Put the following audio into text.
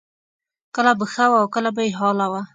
کله به ښه وه او کله به بې حاله وه